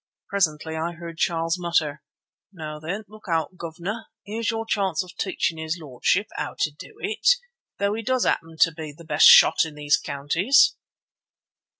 Presently I heard Charles mutter: "Now, then, look out, guv'nor. Here's your chance of teaching his lordship how to do it, though he does happen to be the best shot in these counties."